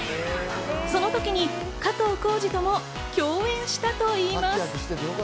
そのときに加藤浩次とも共演したといいます。